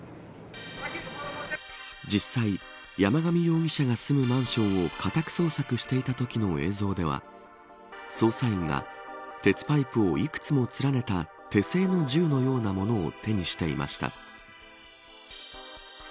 実際、山上容疑者が住むマンションを家宅捜索していたときの映像では捜査員が鉄パイプをいくつも連ねた手製の銃のようなものを手にしていました。